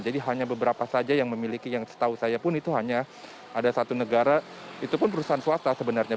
jadi hanya beberapa saja yang memiliki yang setahu saya pun itu hanya ada satu negara itu pun perusahaan swasta sebenarnya